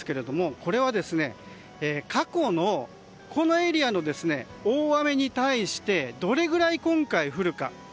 これは過去のこのエリアの大雨に対してどれぐらい今回降るか。